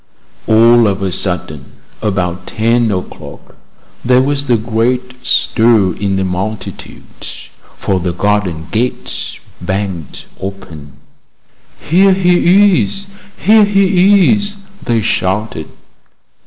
All of a sudden, about ten o'clock, there was a great stir in the multitude, for the garden gate banged open. "Here he is! here he is!" they shouted.